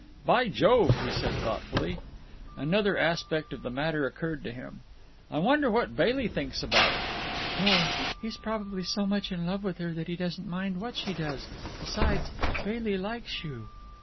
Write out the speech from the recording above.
"By Jove!" he said thoughtfully. Another aspect of the matter occurred to him. "I wonder what Bailey thinks about it!" "Oh, he's probably so much in love with her that he doesn't mind what she does. Besides, Bailey likes you."